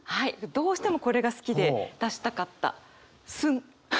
どうしてもこれが好きで出したかった。